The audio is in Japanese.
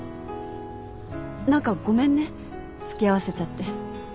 何かごめんね付き合わせちゃって。